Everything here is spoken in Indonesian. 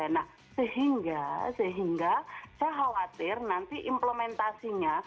nah sehingga saya khawatir nanti implementasinya